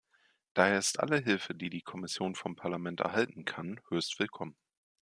Daher ist alle Hilfe, die die Kommission vom Parlament erhalten kann, höchst willkommen.